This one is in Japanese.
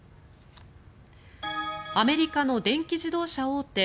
アメリカの電気自動車大手